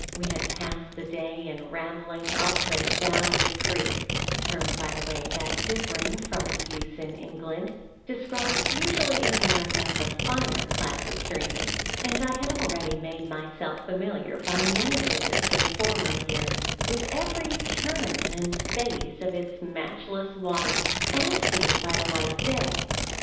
We had passed the day in rambling up and down the creek, (a term, by the way, that, differing from its use in England, describes usually in America the finer class of streams;) and I had already made myself familiar by many visits in former years with every turn and phase of its matchless waters, as seen by the light of day.